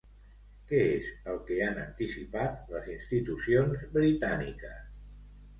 Què és el que han anticipat les institucions britàniques?